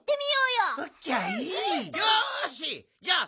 よし！